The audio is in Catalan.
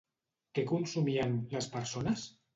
Què consumien, les persones?